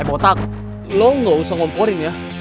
eh botak lo gak usah ngomporin ya